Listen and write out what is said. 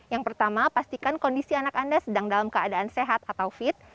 yang pertama pastikan kondisi anak anda sedang dalam keadaan sehat atau fit